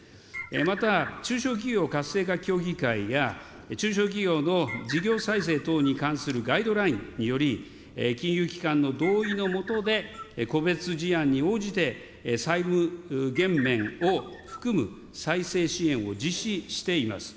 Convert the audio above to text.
また、中小企業活性化協議会が、中小企業の事業再生等に関するガイドラインにより、金融機関の同意のもとで、個別事案に応じて、債務減免を含む再生支援を実施しています。